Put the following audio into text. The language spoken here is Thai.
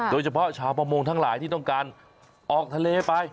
โดยเฉพาะชาวประมงทั้งหลายที่ต้องการออกทะเลไป